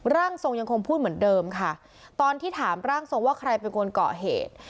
ร่างทรงยังคงพูดเหมือนเดิมค่ะตอนที่ถามร่างทรงว่าใครเป็นคนเกาะเหตุ